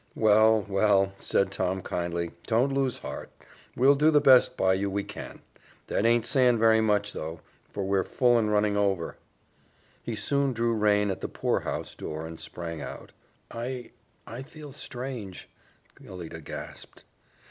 "Well, well," said Tom kindly, "don't lose heart. We'll do the best by you we can. That aint saying very much, though, for we're full and running over." He soon drew rein at the poorhouse door and sprang out. "I I feel strange," Alida gasped.